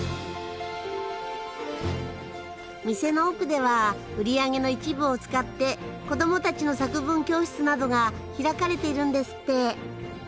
店の奥では売り上げの一部を使って子どもたちの作文教室などが開かれているんですって。